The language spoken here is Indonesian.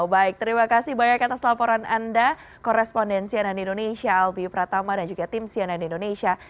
baik terima kasih banyak atas laporan anda korespondensi ann indonesia albi pratama dan juga tim cnn indonesia